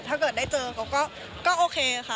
ถ้าเกิดได้เจอเขาก็โอเคค่ะ